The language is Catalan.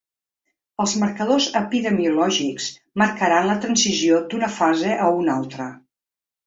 Els marcadors epidemiològics marcaran la transició d’una fase a una altra.